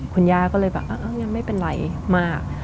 คุณญาตร์ก็เลยไม่เป็นไรมาก